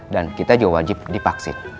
dan kita juga wajib dipaksin